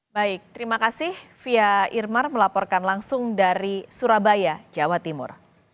baik terima kasih fia irmar melaporkan langsung dari surabaya jawa timur